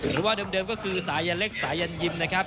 หรือว่าเดิมก็คือสายันเล็กสายันยิมนะครับ